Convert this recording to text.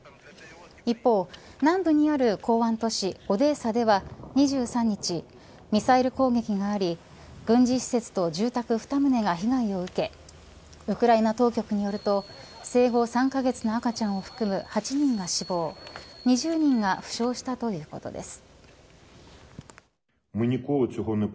一方、南部にある港湾都市オデーサでは２３日ミサイル攻撃があり軍事施設と住宅２棟が被害を受けウクライナ当局によると生後３カ月の赤ちゃんを含む８人が死亡２０人が負傷したということです。